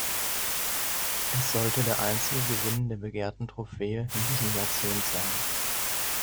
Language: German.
Es sollte der einzige Gewinn der begehrten Trophäe in diesem Jahrzehnt sein.